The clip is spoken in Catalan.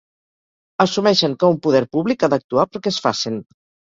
Assumeixen que un poder públic ha d'actuar perquè es facen.